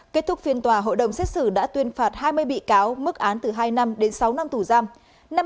kết thúc phiên tòa hội đồng xét xử đã tuyên phạt hai mươi bị cáo mức án từ hai năm đến sáu năm tù giam